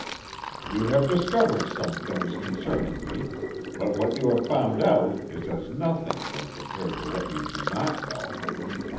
You have discovered some things concerning me, but what you have found out is as nothing when compared to what you do not know.